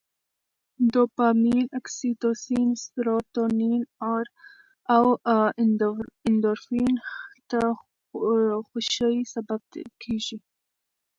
دوپامین، اکسي توسین، سروتونین او اندورفین د خوښۍ سبب کېږي.